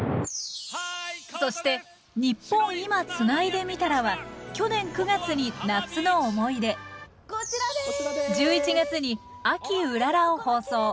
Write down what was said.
そして「ニッポン『今』つないでみたら」は去年９月に「夏の思い出」１１月に「秋うらら」を放送。